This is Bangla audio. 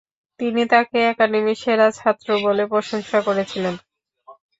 তিনি তাকে একাডেমির সেরা ছাত্রী বলে প্রশংসা করেছিলেন।